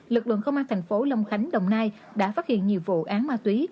lực lượng công an thành phố long khánh đồng nai đã phát hiện nhiều vụ án ma túy